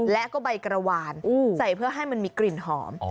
และก็ใบกระวานใส่เพื่อให้มันมีกลิ่นหอม